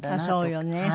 そうよね。